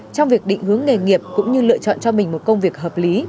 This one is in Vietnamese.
trong việc định hướng nghề nghiệp cũng như lựa chọn cho mình một công việc hợp lý